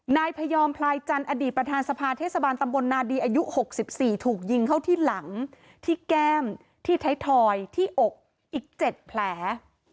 นาดีอายุ๖๔ถูกยิงเข้าที่หลังที่แก้มที่ไทยทอยที่อกอีก๗แผล